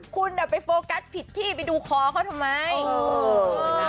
คุณไปโฟกัสผิดที่ไปดูคอเขาทำไม